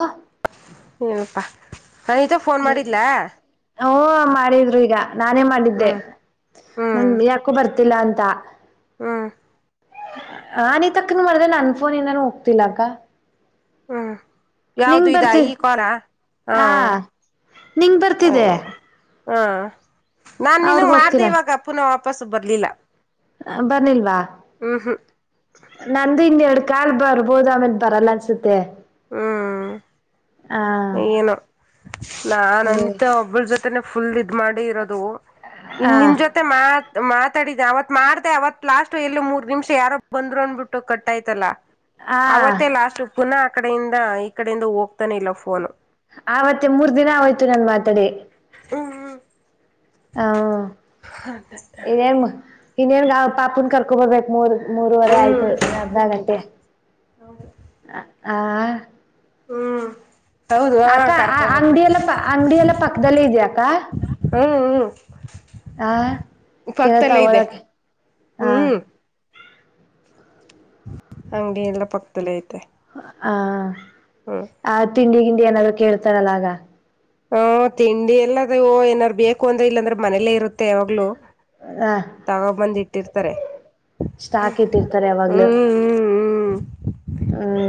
ಹ್ಮ ಏನಪ ಸವಿತಾ ಫೋನ್ ಮಾಡಿದ್ಲಾ ಹ್ಮು ಮಾಡಿದ್ರು ಈಗ ನಾನೇ ಮಾಡಿದ್ದೆ ಹ್ಮ್ ನನ್ ಯಾಕೋ ಬರ್ತ ಇಲ್ಲಾಂತ. ಹ್ಮ ಅನಿತಾ ಅಕ್ಕ ನಿಗೂ ಮಾಡ್ದೆ ನನ್ ಫೋನ್ ಇಂದಾನೂ ಹೋಗ್ತಿಲ್ಲ ಅಕ್ಕ ಹಾ ನಿಂಗ ಬರ್ತ ಹಾ ಆ ನಿಂಗ ಬರ್ತಿದ್ದೆ. ಅಯ್ಯೋ ಹಾ ನಾನ್ ನಿನಗ್ ಮಾಡ್ದೆ ಇವಾಗ ಪೋನು ಬಸ್ಸು ಬರ್ಲಿಲ್ಲ ಬರ್ಲಿಲ್ವಾ ಹ್ಮ್ ಹ್ಮ್ ನಂದು ಹಿಂಗೇ ಆ. ಕಾಲ್ ಬರ್ಬೋದು ಆಮೇಲೆ ಬರಲ್ಲ ಅನ್ಸುತ್ತೆ ಹ್ಮು ಆ ಏನು ನಾನ್ ಅನಿತ ಒಬ್ಬಳ ಜೊತೆ ಅನಿತಕ್ಕ ಫುಲ್ ಇದ್ ಮಾಡಿ ಇರೋದು ಆ ಇನ್ನ ನಿನ್ ಜೊತೆ ಮಾತ್ ಮಾತಾಡಿದ್ದ ಅವತ್ ಮಾಡ್ದ ಅವತ್ ಲಾಸ್ಟ ಎಲ್ಲಿ ಮೂರ್ ನಿಮಿಷ ಯಾರೋ ಬಂದ್ರು ಅಂದ್ಬಿಟ್ಟು ಕಟ್ಟಾಯ್ತಲ್ಲಾ ಆ ಅವತ್ತೆ ಲಾಷ್ಟು ಪುನಃ ಆ ಕಡೆಯಿಂದ ಈ ಕಡೆಯಿಂದ ಹೋಗ್ತಾನ ಇಲ್ಲ ಪೋ ಫೋನು ಆ ಅವತ್ತಿಗ್ ಮೂರ್ ದಿನ ಆಯ್ತು ನಾನ್ ಮಾತಾಡಿ ಹ್ಮು ಹ ಹಾ ಏನ್ ಇನ್ನೇನ್ ನಾವ್ ಪಾಪುನ್ ಕರ್ಕೊ ಬರ್ಬೇಕಕ್ ಮೂರ ಮೂರವರೆ ಆಯ್ತು ಇನ್ನ ಅರ್ಧ ಗಂಟೆ ಹ ಹ ಹ್ಮ್ ಹೌದು ಹ ಅಕ್ಕ ಕರ್ಕೊ ಬರ್ಬೇಕು ಅಂಗಡಿಿಯ ಎಲ್ಲ ಪ ಅಂಗಡಿಿಯ ಎಲ್ಲ ಪಕ್ಕದಲ್ಲ ಇದ್ಯಾ ಅಕ್ಕ ಹಾ ಹಾ ಹಾ ಕಳ್ತಾ ಇದೆ ಅವರಕ್ಕೆ ಹಾ ಹಂಗೇನೆಲ್ಲ ಪಕ್ಕದಲ್ಲಿ ಐತೆ ಹ ಹ್ಮ್ ಆ ತಿ ಏನಾದ್ರು ಕೇಳ್ತಾರಲ್ಲ ಆಗ ಹ ತಿಂಡಿ ಎಲ್ಲದ ಏನಾರು ಬೇಕು ಅಂದ್ರೆ ಇಲ್ಲಾಂದ್ರೆ ಮನೇಲ್ಲೇ ಇರುತ್ತೆ ಅವಾವಾಗ್ಲುೂ ಆ ತಗೋಬಂದ ಇಟ್ಟಿರ್ತಾರೆ ಹ್ಮ್ ಸ್ಟಾಕ್ ಇಟ್ಟಿರ್ತಾರೆ ಯಾವಾಗ್ಲೂ ಹ್ಮ್ ಹ್ಮ್ ಹ್ಮ್ ಹ್ಮ್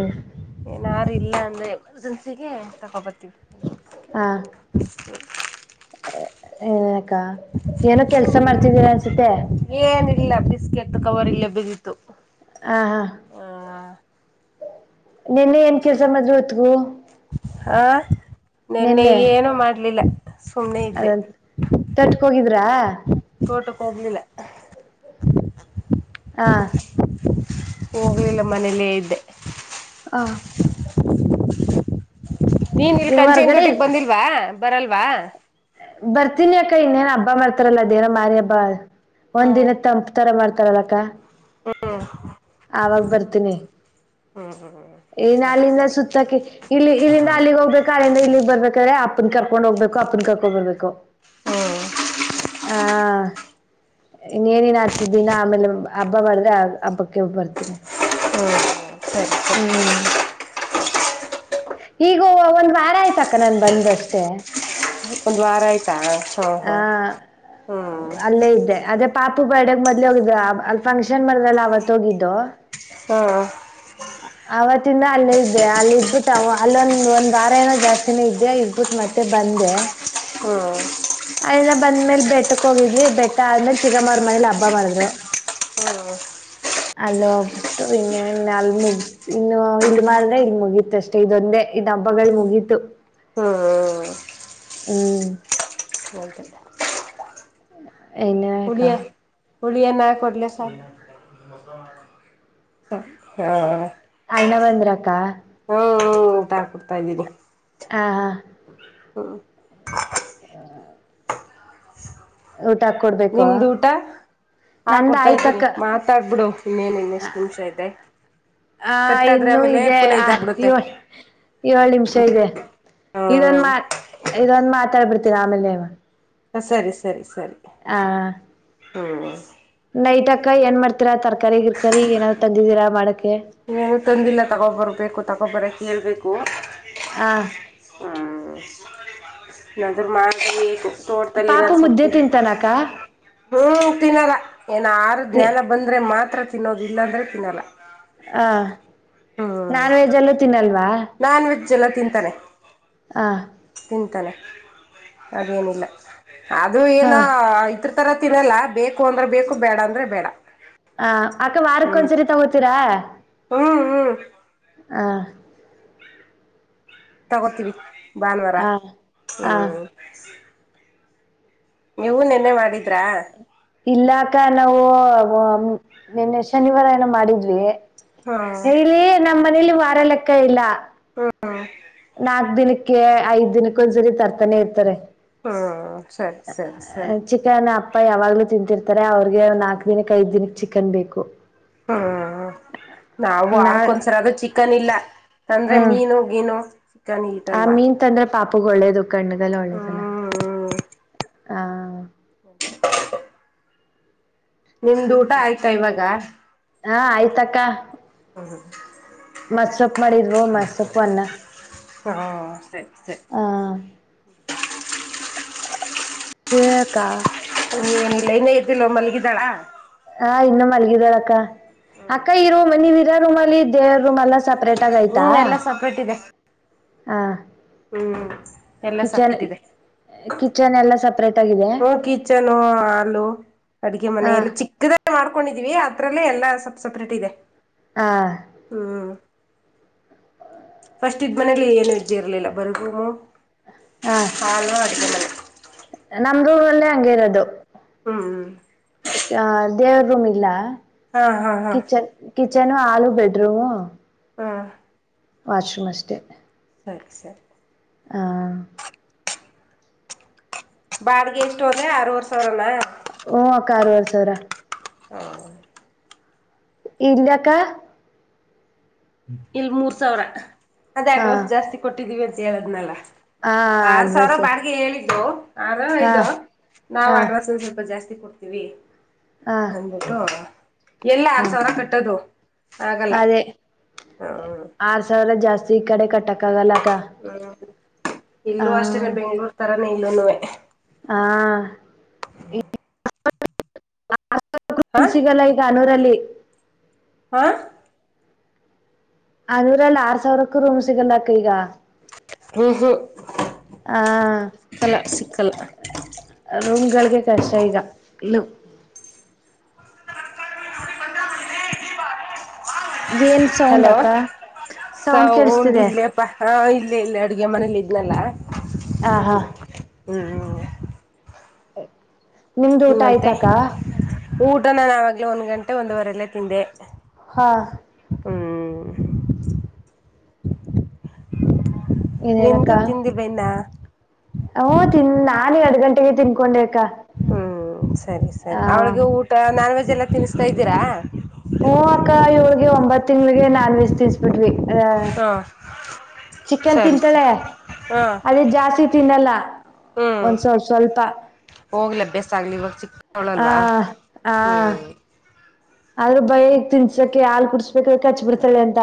ಏನಾರು ಇಲ್ಲ ಅಂದ್ರೆ ಜನ್ಸಿಗೆ ತಕೊಬತ್ತ [inaudible] ಹ ಏ [inaudible] ಏನೋ ಕೆಲ್ಸ ಮಾಡ್ತಿದ್ದೀರಾ ಅನ್ಸತೆ ಏನಿಲ್ಲ ಬಿಸ್ಕೆಟ್ ಕವರ್ ಇಲ್ಲೇ ಬಿದ್ದಿತು ಹಾ ಹಾ ನಿನ್ನೆ ಏನ್ ಕೆಲ್ಸ ಮದ್ ಹೊತ್ಗೂ ಆ ನಿನ್ನೆ ಏನು ಮಾಡ್ಲಿಲ್ಲ ಸುಮ್ನೆ ಅದ ಇದ್ದೆ ತಟ್ಕ ಹೋಗಿದ್ರಾ ಹೋಗಲಿಲ್ಲ ಹಾ ಹೋಗ್ಲಿಲ್ಲ ಮನೇಲೇ ಇದ್ದೆ ಆ ನೀನ್ ಇಲ್ ಈಗ ಕಂಚೆನ್ ಹೊರ್ಗಡೆ ತೊಟಿಗೆ ಇಲ್ಲ ಬಂದಿಲ್ವಾ ಬರಲ್ವಾ ಬರ್ತೀನಿ ಅಕ್ಕ ಇನ್ನೇನ್ ಹಬ್ಬ ಮಾಡ್ತಾರಲ್ಲ ದೇರ ಮಾರಿ ಹಬ್ಬಾ ಒಂದ್ ಹ್ಮ್ ದಿನ ತಂಪ್ ತರ ಮಾಡ್ತ ಕರಲಕ್ಕ ಆವಾಗ ಬರ್ತೀನಿ ಹ್ಮ ಹ ಏನ್ ಅಲ್ಲಿಂದ ಸುತ್ತಾಕ ಇಲ್ಲಿ ಇಲ್ಲಿಂದ ಅಲ್ಲಿಗ್ ಹೋಗ್ಬೇಕ ಅಲ್ಲಿಂದ ಇಲ್ಲಿಗ್ ಬರ್ಬೇಕ್ರೆ ಅಪ್ಪ ಅಪ್ಪನ್ ಕರ್ಕೊಂಡ್ ಹೋಗ್ು ಅಪ್ಪನ್ ಕರ್ಕೊಂಡ ಬರ್ಬೇಕು ಹ್ಮ್ ಹಾ ಇನ್ನೇನನ್ ಹತ್ತು ದಿನ ಆಮೇಲೆ ಹಬ್ಬ ಮಾಡಿದ್ರೆ ಆ ಹಬ್ಬಕ್ಕೆ ಬರ್ತೀನಿ ಹ್ಮ್ ಸರಿ ಸರಿ ಹ್ಮ ಈಗೋ ಒಂದ್ ವಾರ ಆಯ್ತ ಅಕ್ಕ ನನ್ು ಬಂದಷ್ಟೆ ಒಂದು ವಾರ ಆಯ್ತಾ ಹಾ ಹ ಹ್ಮ್ ಅಲ್ಲೇ ಇದ್ದೆ ಅದೇ ಪಾಪು ಬರ್ಡಗ್ ಮೊದ್ ಹೋಗಿದ ಅಲ್ ಫಂಕ್ಷನ್ ಮರದಲ್ಲ ಅವತ್ೋಗಿದ್ದು ಹ್ಮ ಹ ಅವತ್ತಿಂದ ಅಲ್ಲೇ ಇದ್ದೆ ಅಲ್ಲಿ ಇದ್ಬಿಟ್ಟು ಅಲ್ಲೊಂದ್ ಒಂದ್ ವಾರ ಏನೋ ಜಾಸ್ತಿನೇ ಇದ್ದೆ ಇದಬಿಟ್ಟು ಮತ್ತೆ ಬಂದೆ ಹ್ಮ್ ಅಯ್ನ ಬಂದ್ಮೇಲೆ ಬೆಟ್ಟಕ್ ಹೋಗಿದ್ವಿ ಬೆಟ್ಟ ಆದ್ಮೇಲೆ ಚಿಗಮ್ಮ್ರ ಮನೇಲಿ ಹಬ್ಬ ಮಾಡಿದ್ರು ಅಲ್ಲಬಟ್ಟು ಇನ್ನನ್ನ ಅಲ್ಲಿ ಮುಗ ಇನ್ನು ಇಲ್ಲಿ ಮಾಡ್ರೆ ಇಲ್ಲಿ ಮುಗೀತ ಅಷ್ಟೇ ಇದೊಂದೇ ಇದ ಹಬ್ಬಗಳು ಮುಗೀತು ಹ್ಮ್ ಹ್ಮ್ ಅದೇ ಹೌ ಎನೇಕಾ ಉುಳಿಯ ನಾ ಕೊಡ್ಲ ಸ ಹಾ ಅಣ್ಣವಂದ್ರಕ್ಕ ಕೊಡ್ತಾ ಇದ್ದೀನರಿ ಹಾ ಹಾ ಹಾ ಹ ಕೊಡ್ಬೇಕಾ ನಿಮ್ದು ಊಟ ನಂದ ಹಾಕೊಡ್ತಾ ಇದ್ದೀನಿ ಆಯ್ತಕ್ಕ ಮಾತಾಡ್ಬಿಡು ಇನ್ನೇನ್ ಇನ್ನೆಷ್ಟು ನಿಮಿಷ ಇದೆ ಆ ಕಟ್ಟಾದ್ರೆ ಇನ್ನುೂ ಆಮೇಲೆ ಇದೆ ಪುನಃ ಆ ಇದಾಗ್ಬಿಡುತ್ತೆ ಳ್ ಏಳ್ ನಿಮಿಷ ಇದೆ ಇದೊಂದ ಹ್ಮ್ ಮಾತ್ ಇದೊಂದ ಮಾತ್ ಮಾತಾಡ್ ಬಿಿಡ್ತೀರ ಆಮೇಲೆ ಹ ಸರಿ ಸರಿ ಸರಿ ಆ ಹಾ ನೈಟ್ ಅಕ್ಕ ಏನ್ ಮಾಡ್ತೀರಾ ತರ್ಕಾರಿ ಗಿರ್ಕಾರಿ ಏನಾದ್ ತಿದೀರಾ ಮಾಡ ನೀಏನು ತಂದಿಲ್ಲ ತಗೊಬರ್ಬೇಕು ತಗೊಬರಕ್ ಹೇಳ್ಬೇಕು ಹ ಹಾ ಹ ನದರ ಮಾರ ತೋಡ್ತಲ್ಲ ನ ಪಾಪು ಮುದ್ದೆ ಸೊಪ್ಪ ತಿಂತಾನಕ್ಕ ಹ್ಮ್ ತಿನಲ್ಲ ಏನ ಆರು ತಿ ಜ್ಞಾನ ಬಂದ್ರೆ ಮತ್ ಹತ್ರ ತಿನ್ನೋದು ಇಲ್ಲಾಂದರೆ ತಿನ್ನಲ್ಲ ಹ ಹ್ಮ್ ನಾನ್ ವೆಜ್ ಎಲ್ಲೂ ತಿನ್ನಲ್ವಾ ನಾನ್ ವ. ಜ ಎಲ್ಲ ತಿಂತಾರೆ. ಆ. ಚಿಂತನೆ. ಅದೇನಿಲ್ಲ ಅದು ಹಾ ಏನ ಇದ. ತರ ತಿ ಇರಲ್ಲ ಬೇಕ. ಕು ಅಂದ್ರ ಬೇಕು ಬೇಡ ಅಂದ್ರೆ ಬೇಡ. ಆ ಅಕ್ಕ ವಾರಕ್ಕ ಹ್ಮ್ ಒಂದ್ಸರಿ ತಗೋತೀರಾ. ಹ್ಮ್ ಹ್ಮ್. ಹ. ತಗೋತೀವಿ. ಭಾನುವಾರ ಆ ಆ ಹ್ಮ್. ನೀವು ನೆನ್ನೆ ಮಾಡಿದ್ರ. ಇಲ್ಲಾಕ ನಾವು ನಿನ್ನೆ ಶನಿವಾರ ಏನೋ ಮಾಡಿದ್ವಿ. ಹಾ ಹೇಳಲಿ ನಮ್ಮ. ಮನೇಲಿ ವಾರ ಲೆಕ್ಕ ಇಲ್ಲ. ಹ್ಮ್ ನಾಕ್ ದಿನಕ್ಕೆ ಐದ್ ದಿನಕ್ಕ ಒಂದ್ಸರಿ ತರ್ತಾನೆ ಇರ್ತಾರೆ. ಹಾ ಸರಿ ಸರಿ ಸರಿ. ಚಿಕನ್ ಅಪ್ಪ ಯಾವಾಗ್ಲೂ ತಿಂತಿರ್ತಾರೆ ಅವ್ರಿಗೆ ನಾಕಕ್ ದಿನಿಕ್ ಐದ ದಿನಕ್ ಚಿಕನ್ ಬೇಕು. ಹ್ಮ್ ನಾವು ನಾ ಆರ್ಕ್ೊಂದ್ಸರ ಅದು ಚಿಕನ್ ಇಲ್ಲ ಅಂದ್ರೆ ಹ್ಮ್ ಮೀನು ಗೀನು. ಚಿಕನ್ ಆ ಈಟಲ್ವಾ ಮೀನ್ ತಂದ್ರೆ ಪಾಪಗ ಒಳ್ಳೇದು ಕಣ್ಣಗೆಲ್ಲ ಒಳ್ಳೇದನ. ಹ್ಮ್ ಹಾ. ಹ್ಮ್ಮ್. ನಿಮ್ದ ಊಟ ಆಯ್ತಾ ಇವಾಗ. ತಕ್ಕ. ಹ ಹ. ಮಸ್ಪ್ಪ ಮಾಡಿದ್ವು ಮಸಪ್ಪು ಅನ್ನ ಹಾ ಸರಿ ಸರಿ ಹಾ. ಹೇಳಳಕ್ಕಾ. ನೀನಲ್ಲೈನೇ ಇದರ್್ದಲ್ವ ಮಲ್ಲಿಗಿದಾಳ. ಆಾ ಇನ್ನ ಮಲ್ಲಿಗದಳಕ್ಕಾ. ಅಕ್ಕ ಇರೋ ಮನವಿ. ರೂಮಲ್ಲಿ ದಡ್ ರೂಮಲ್ಲ ಸೆಪರೆೇಟ್. ಹ್ಮ್ ಎಲ್ಲಾ ಸಪ್ರೇಟ್ ಇದೆ. ಹಾ. ಹ್ಮ್. ಎಲ್ಲ ಸಪ್ರೇಟ್ ಇದೆ ಕಿಚನ್ ಎಲ್ಲ ಸಪ್ರೇಟ್ ಆಗಿದೆ ಹ್ಮ ಕಿಚನು ಹಾಲು ಅಡಗೆ ಮನೆ ಹಾ ಎಲ್ಲ ಚಿಕ್ಕದಾಗ ಮಾಡ್ಕೊಂಡಿದೀವಿ ಅತ್ರರಲ್ಲೇ ಎಲ್ಲ ಸಪ್ ಸಪ್ರೇಟ್ ಇದೆ. ಹಾ ಹ್ಮ. ಫಸ್ಟ್ ಇದ ಮನೇಲಿ ಏನು ವಜ್ಜೆ ಇರ್ಲಿಲ್ಲ ಬರಗೂಮ ಹಾ ಹಲ ಅಡ್ ಹಲ್ಲೇ ಹಂಗಿರೋದು. ಹ್ಮ್್ಮ. ದೇವ ರೊಮೀಲಾ. ಹಾ ಹಾ ಹಾ ಕಿಚನು ಆಲೂ ಬೆಡ್್ರೂಮ ಹಾಂ ವಾಷ್್ರೂಮ್ ಅಷ್ಟೇ ಸರಿ ಸರಿ ಹ ಬಾಡ್ಿಗೆ ಎಷ್ಟು ಹೋದ್ರೆ ಆರವರ್ ಸಾವಿರ ಅಲ್ಲಾ ಓ ಅಕ್ಕುವರ್ ಸಾವಿರ ಹೌ ಇಲ್ಲಕ್ಕ ಇಲ್ ಮೂರ್ ಸಾವಿರ ಅದೇ ಹಾ ಅಡ್ವಾನ್ಸ್ ಜಾಸ್ತಿ ಕೊಟ್ಟಿದ್ದೀವಿ ಅ ಹೇಳದ್್ಮೇಾಲ ಹಾ ಆರ್ ಸಾವಿರ ಅಡ್ವಾನ್ಸ್ ಬಾಡಿಗೆ ಹೇಳಿದ್ದು ಆ ಹಾ ಇದು ನಾ್ ಹಾ ಅಡ್ವಾಸ್ ಸ್ವಲ್ಪ ಜಾಸ್ತಿ. ಕೊಡ್ತೀವಿ. ಹಾ ನಿಜ ಎಲ್ಲಾ ಆರ ಹಾ ಸಾವಿರ ಕಟ್ಟದು. ಆಗಲ್ಲ. ಅದೇ ಹ್ಮ. ಆರ್ ಸಾವಿರ ಜಾಸ್ತಿ ಕಡೆ ಕ. ಹ್ಮ್ ಹ ಇಲ್ಲೂ ಅಷ್ಟೇನೆ ಬೆಂಗ್ಳೂರ್ ತರ. ಇಲ್ಲನ್ನುವೇ. ಹಾ ಹಾ ಸಿಗಲ್ಲ ಈಗ ಅಾನೋರ ಹ ಹಾ ಅದೂರಲ್ಲಿ ಆರ್ ಸಾವಿರಕ್ಕೂ ರೂಮ್ ಸಿಗಲ್ಲಕ್ಕ ಈಗ ಹ್ಮ ಹ್ಮ ಹ ಚಲ ಸಿಕ್ಕ ಚಲ ರೂಮ್ ಗಳಿಗೆ ಕಷ್ಟ ಈಗ ಇ ಏನ್ ಸೌಂಡ್ ಹಲೋ ಅಕ್ಕ ಸೌಂಡ್ ಕೆಡಿಸತಿದೆ ಹಾ ಇಲ್ಲೇ ಇಲ್ಲ ಅಡುಗೆ ಮನೇಲಿ ಇದ್ನಲ್ಲ ಆ ಹಾ ಹ್ಮ ಹ್ಮ ನಿಮ್ದು ಊಟ ಆಯ್ತಾಕ್ಕ ಅದ ನಾನ್ ಆವಾಗ್ಲೇ ಒಂದ್ ಗಂಟೆ ಒಂದುವರೆಲ್ಲೇ ತಿಂದೆ ಹಾ ಹ್ಮ [unintelligible] ನಿಂದು ತಿಂದಿಲ್ವಾ ಇನ್ನ ಓ ತಿನ್ ನಾನ್ ಎರಡು ಗಂಟೆಗೆ ತಿನ್ಕೊಂಡೆ ಅಕ್ಕ ಹ್ಮ್ ಸರಿ ಸರಿ ಆ ಅವಳಿಗೆ ಊಟ ನಾನ್ವೆಜ್ ಎಲ್ಲಾ ತಿನ್ನುತ್ತಾ ಇದ್ದೀರಾ ಹ್ಮ ಅಕ್ಕ ಏಳ್ಗೆ ಒಂಬತ್ ತಿಂಗಳಿಗೆ ನಾನ್ ವೆಜ್ ತಿನ್ನಿಸಿಬಿಟ್ವಿ ಹ ಹಾ ಚಿಕನ್ ಸರಿ ಸರಿ ತಿಂತಾಳೆ ಹಾ ಅದೇ ಜಾಸ್ತಿ ತಿನ್ನಲ್ಲ ಹ್ಮ್ ಒಂದ್ಸವ ಸ್ವಲ್ಪ ಹೋಗ್ಲಿ ಅಭ್ಯಾಸ ಆಗ್ಲಿ ಇವಾಗ ಹಾ ಚಿಕ್ಕವಳಲ್ವಾ ಹ ಹ್ಮ್ ಆದ್ರೂ ಭಯ ತಿನ್ಸಕೆ ಹಾಲು ಕುಡಿಸಬೇಕಾದರೆ ಕಚ್ ಬಿಡ್ತಾಳೆ ಅಂತ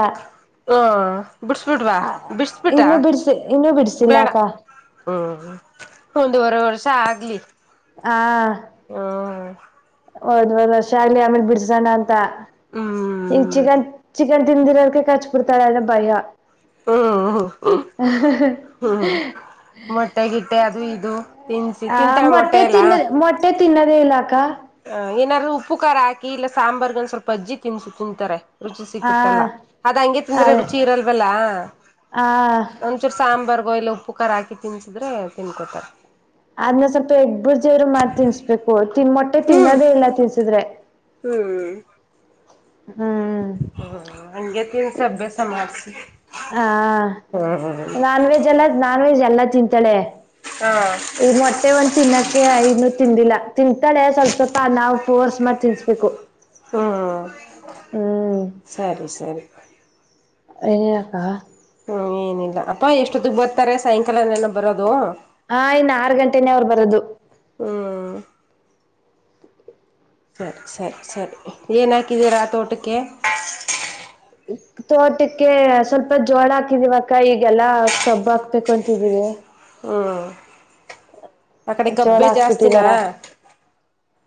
ಹ್ಮ ಬಿಡ್ಸ್ಬಿಡ್ವಾ ಬಿಡ್ಸ್ಬಿಟಾ ಇನ್ನು ಬಿಡ್ಸಿ ಇನ್ನುೂ ಬಿಡ್ಸಿಲ್ಲ ಬೇಡ ಅಕ್ಕ ಹ್ಮ ಒಂದುವರೆ ವರ್ಷ ಆಗ್ಲಿ ಹ್ಮ ಹೌದ್ ಹೌದು ಶಾಲಿ ಆಮೇಲೆ ಬಿಡ್ಸೋಣ ಅಂತ ಹ ಇನ್ ಹ್ಮ್ ಚಿಕನ್ ಚಿಕ್ ಈಗ ತಿಂದದಿರೋಕ ಕರ್ಚ್ ಬಿಡ್ತಾಳ ಅದ ಭಯ ಹ್ಮ್ ಹ್ಮ್ ಮೊಟ್ಟೆ ಗಿಟ್ಟೆ ಅದು ಇದು ತಿನ್ಸಿ ತಿಂತಾರೆ ಮೊಟ್ಟೆ ಎಲ್ಲ ತಿನ್ನದೇ ಇಲ್ಲ ಅಕ್ಕ ಏನಾದ್ರು ಉಪ್ಪು ಖಾರ ಹಾಕಿ ಇಲ್ಲ ಸಾಂಬಾರ್ಗ ಒಂದ ಸ್ವಲ್ಪ ಅಜ್ಜಿ ತಿನಿಸು ತಿಂತಾರೆ ರುಚಿ ಹಾ ಸಿಕ್ಕುತ್ತಲ್ಲ ಅದ ಹಂಗೆ ತಿಂದ್ರೆ ಅದೇ ರುಚಿ ಇರಲ್ವಲ್ಲ ಆ ಒಂದಚೂರು ಸಾಂಬಾರ್ [unintelligible] ಇಲ್ಲ ಉಪ್ಪು ಕರ ಹಾಕಿ ತಿನ್ಸಿದ್ರೆ ತಿನ್ಕೊತಾರೆ ಅದ್ನ ಸ್ವಲ್ಪ ಎಗ್ಬುರ್ಜಿಯವ್ರು ಮಾತ್ ತಿನ್ಸ್ಬೇಕು ದು ತಿನ್ ಮೊಟ್ಟೆ ಹ್ಮ್ ತಿನ್ನದೇ ಇಲ್ಲ ತಿನ್ಸಿದ್ರೆ ಹ್ಮ ಹ ಹಂಗಗೆ ತಿನ್ಸ ಅಭ್ಯಾಸ ಮಾಡಸ್ ರೀ ಹ ನಾನ್ ವೆಜ್ ಎಲ್ಲ ನಾನ್ ವೆಜ್ ಎಲ್ಲ ತಿಂತಾನೆ ಹಾ ಈ ಮೊಟ್ಟೆ ಒಂದ ತಿನ್ನಕ್ಕೆೆ ಇನೂರ್ ತಿಂದಿಲ್ಲ ತಿಂತಾಳೆ ಸ್ವಲ್ಪ ಸ್ವಲ್ಪ ನಾವು ಫೋರ್ಸ್ ಮಾಡಿ ತಿನ್ಸ್ಬೇಕು ಹ್ಮ್ ಹ್ಮ್ ಸರಿ ಸರಿ ಏನಾಕ್ಕಾ ಞ ಏನಿಲ್ಲ ಅಪ್ಪ ಎಷ್ಟೊತ್ತು ಬರ್ತಾರೆ ಸಾಯಂಕಾಲನೆನ ಬರೋದು ಹ ಇನ್ನು ಆರು ಗಂಟೆನೆೇ ಅವ್ರು ಬರೋದು ಹ ಸರಿ ಸರಿ ಸರಿ ಏನಾಕಿದ್ದೀರಾ ಆ ತೋಟಕ್ಕೆ ತೋಟಕ್ಕೆ ಸ್ವಲ್ಪ ಜೋಳ ಹಾಕಿದಿವವಕ್ಕ ಈಗೆಲ್ಲಾ ಕಬ್ಬು ಹಾಕ್ಬೇಕು ಅಂತಿದೀವಿ ಹ್ಞೂ ಆ ಕಡೆ ಜೋಳ ಕಬ್ಬೆ ಜಾಸ್ತಿನ ಹಾಕ್ಬಿಟ್ಟಿದಾರ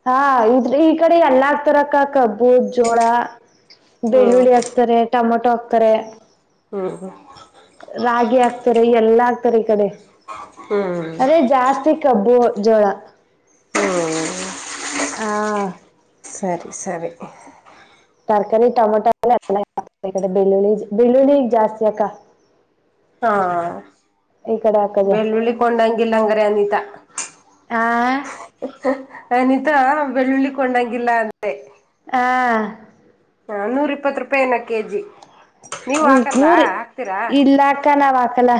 ಹಾ ಇದ್ರ ಈ ಕಡೆ ಎಲ್ಲ ಆಗ್ತರಕ್ಕ ಕಬ್ಬು ಜೋಳ ಹ್ಮ್ ಬೆಳ್ಳುಳ್ಳಿ ಹಗ್ತಾರೆ ಟಮಾಟ ಟೋ ಹಾಕ್ತಾರೆ ಹ್ಮ ಹ್ಮ ರಾಗಿ ಹಾಕ್ತಾರೆ ಎಲ್ಲ ಆಗ್ತಾರೆ ಈ ಕಡೆ ಹ್ಮ್ ಹ್ಮ್ ಅದೇ ಜಾಸ್ತಿ ಕಬ್ಬು ಜೋಳ ಆ ಸರಿ ಸರಿ ತರ್ಕಾರಿ ಟೊಮೊಟ ಎಡೆ ಬೆಳ್ಳುಳ್ಳಿ ಬೆಳ್ಳುಳ್ಳಿಗ್ ಜಾಸ್ತಿ ಅಕ್ಕ ಹಾ ಈ ಕಡೆ ಹಾಕೋದು ಬೆಳ್ಳಳ್ಳಿಕೊಂಡಂಗಿಲ್ಲ ಹಂಗಾರೆ ಅನಿತಾ ಆ ಅನಿತಾ ಬೆಳ್ಳುಳ್ಳಿಕೊಂಡಂಗಿಲ್ಲ ಅಂದೇ ಆ ಹಾ ಹ ನೂರ ಇಪ್ಪತ್ತು ರೂಪಾಯ ಏನ ಕೆಜಿ ಹ್ಮ ನೂರ್ ಇಲ್ಲಾಕ್ಕ ನಾವ್ ಹಾಕಲ್ಲ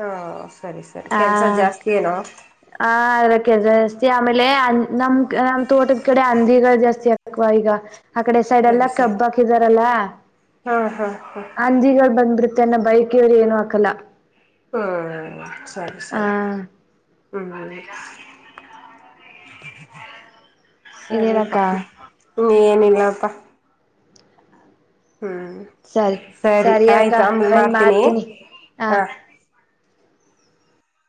ಹಾ ಸರಿ ಸರಿ ಹಾ ಕೆಲಸ ಜಾಸ್ತಿ ಏನೋ ಹ ಅಕ್ಕೆ ಆಮೇಲೆ ನಮ ನಮ್ಮ ತೋಟ ಕಡೆ ಹಂಧಿ ಕಗಳು ಜಾಸ್ತಿ ಚಕ್ವಾಯಗ ಆ ಕಡೆ ಸೈಡ್ ಎಲ್ಲ ಸರಿ ಸರಿ ಕಬ್ಬಾಕಿದಾರಲ್ಲ ಹಾ ಹಾ ಹಾ ಅಂಜಿಗಳು ಬಂದ್ಬಿಡ್ತ ತನ್ನ ಬೈಕಿಯವ್ರ ಏನು ಹಾಕಲ್ಲ ಹಾ ಹ್ಮ ಸರಿ ಆ ಸರಿ ಹೆ ಇನ್ನೇನಕ್ಕ ಸರಿಪ್ಪಾ ನೀ ಏನಿಲ್ಲ ಅಪ್ಪ ಸರಿ ಸರಿ ಅಕ್ಕ ಆಯ್ತು ಆಮೇಲೆ ಅವೇನ್ ಮಾಡ್ತೀನಿ ಮಾಡಾರ್್ತೀನಿ ಹ ಹಾ